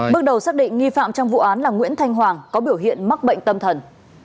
bước đầu xác định nghi phạm trong vụ án là nguyễn thanh hoàng có biểu hiện mắc bệnh tâm thần